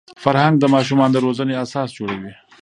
فرهنګ د ماشومانو د روزني اساس جوړوي.